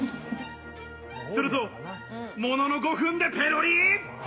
すると、ものの５分でペロリ。